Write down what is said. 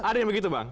ada yang begitu bang